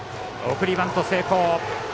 送りバント成功。